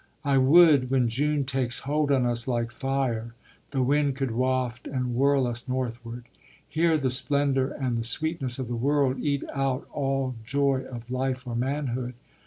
I would, when June takes hold on us like fire, The wind could waft and whirl us northward: here The splendour and the sweetness of the world Eat out all joy of life or manhood.